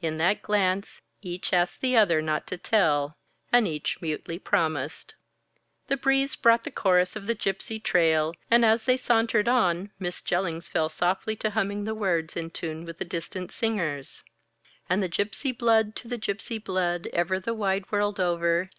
In that glance, each asked the other not to tell and each mutely promised. The breeze brought the chorus of the "Gypsy Trail"; and as they sauntered on, Miss Jellings fell softly to humming the words in tune with the distant singers: "And the Gypsy blood to the Gypsy blood Ever the wide world over.